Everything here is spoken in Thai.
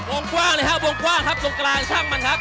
วงกว้างเลยครับวงกว้างครับตรงกลางช่างมันครับ